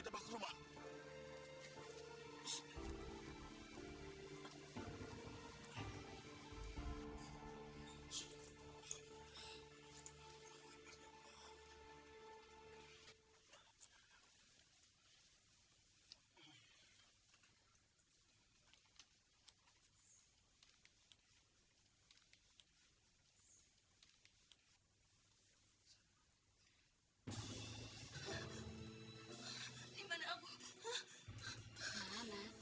terima kasih samyuk